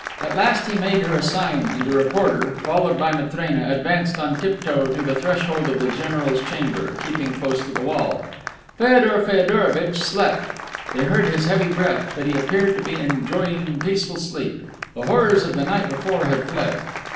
At last he made her a sign and the reporter, followed by Matrena, advanced on tip toe to the threshold of the general's chamber, keeping close to the wall. Feodor Feodorovitch slept. They heard his heavy breath, but he appeared to be enjoying peaceful sleep. The horrors of the night before had fled.